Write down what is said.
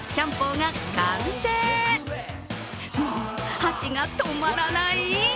もう箸が止まらない！